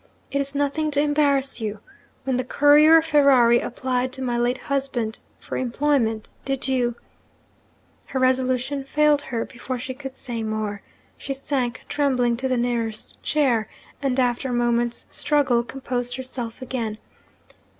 'It is nothing to embarrass you. When the courier Ferrari applied to my late husband for employment, did you ' Her resolution failed her, before she could say more. She sank trembling into the nearest chair, and, after a moment's struggle, composed herself again.